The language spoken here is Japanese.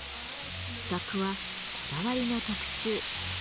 額はこだわりの特注。